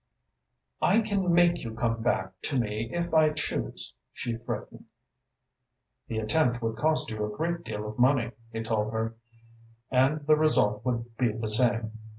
"I can make you come back to me if I choose," she threatened. "The attempt would cost you a great deal of money," he told her, "and the result would be the same.